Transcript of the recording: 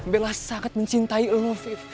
bella sangat mencintai lo viv